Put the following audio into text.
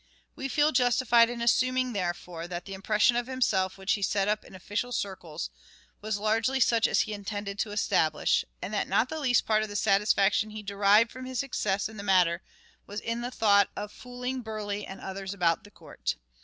We feel justified in assuming, therefore, that the impression of himself which he set up in official circles was largely such as he intended to establish, and that not the least part of the satisfaction he derived from his success in the matter was in the thought of fooling Burleigh and others about the court.